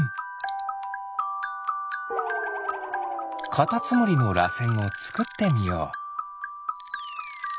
カタツムリのらせんをつくってみよう。